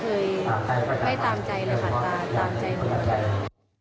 เคยไม่ตามใจเลยค่ะตามใจ